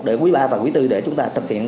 để quý ba và quý bốn để chúng ta thực hiện